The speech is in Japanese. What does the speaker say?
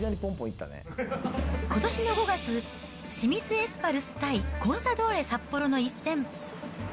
ことしの５月、清水エスパルス対コンサドーレ札幌の一戦。